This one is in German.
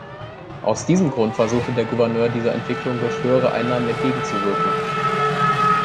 Aus diesem Grund versuchte der Gouverneur dieser Entwicklung durch höhere Einnahmen entgegenzuwirken.